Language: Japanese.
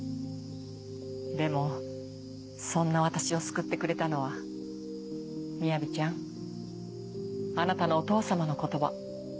でもそんな私を救ってくれたのはみやびちゃんあなたのお父様の言葉。